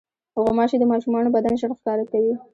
غوماشې د ماشومانو بدن ژر ښکار کوي.